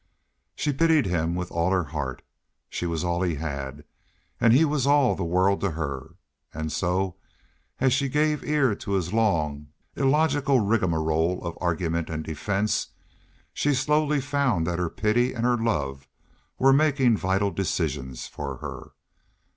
She pitied him with all her heart. She was all he had, as he was all the world to her. And so, as she gave ear to his long, illogical rigmarole of argument and defense, she slowly found that her pity and her love were making vital decisions for her.